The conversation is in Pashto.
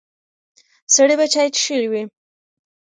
سړی به چای څښلی وي.